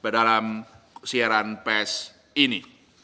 dalam siaran pes ini